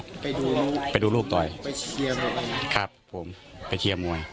ไปดูลูกไปดูลูกต่อยไปเชียร์ลูกอะไรครับผมไปเชียร์มวย